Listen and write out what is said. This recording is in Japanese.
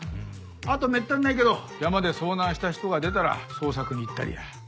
あとめったにないけど山で遭難した人が出たら捜索に行ったりや。